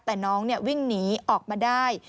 แต่น้องวิ่งหนีออกมาได้